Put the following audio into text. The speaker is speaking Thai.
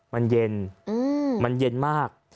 มันเย็นมันเย็นมาก